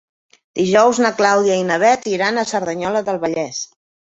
Dijous na Clàudia i na Bet iran a Cerdanyola del Vallès.